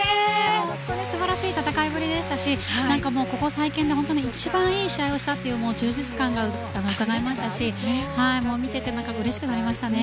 本当に素晴らしい戦いぶりでしたしここ最近で一番いい試合をしたという充実感がうかがえましたし見ていてうれしくなりましたね。